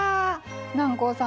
南光さん